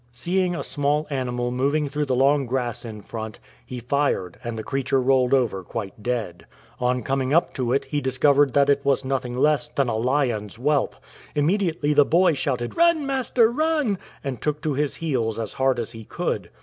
Seeing a small animal moving through the long grass in front, he fired, and the creature rolled over quite dead. On coming up to it he discovered that it was nothing less than a lion's whelp. Immediately the boy shouted, "Run, master, run !" and took to his heels as hard as he could.